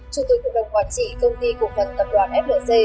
chủ tịch cộng đồng quản trị công ty cộng vận tập đoàn flc